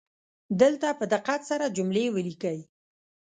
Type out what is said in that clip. دلته په دقت سره جملې ولیکئ